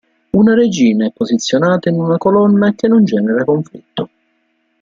Una regina è posizionata in una colonna che non genera conflitto.